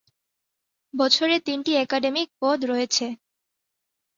বছরে তিনটি একাডেমিক পদ রয়েছে।